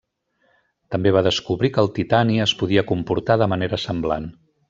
També va descobrir que el titani es podia comportar de manera semblant.